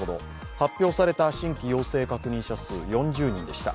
発表された新規陽性確認者４０人でした。